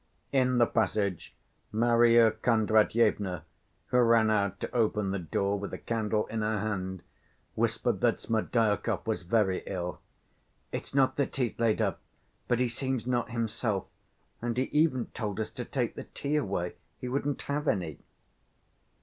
In the passage, Marya Kondratyevna, who ran out to open the door with a candle in her hand, whispered that Smerdyakov was very ill, "It's not that he's laid up, but he seems not himself, and he even told us to take the tea away; he wouldn't have any."